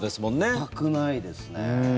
全くないですね。